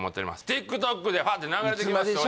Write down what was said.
ＴｉｋＴｏｋでフワッて流れてきます